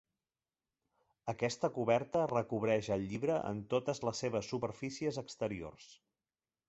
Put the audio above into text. Aquesta coberta recobreix el llibre en totes les seves superfícies exteriors.